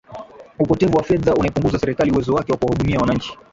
Upotevu wa fedha unaipunguzia Serikali uwezo wake wa kuwahudumia wananchi